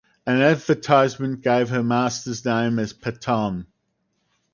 An advertisement gave her masters name as Patton.